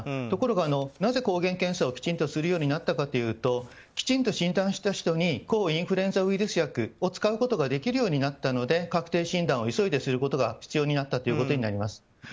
ところが、なぜ抗原検査をきちんとするようになったかというときちんと診断した人に抗インフルエンザウイルス薬を使うことができるようになったので確定診断を急いですることが必要になったことがあります。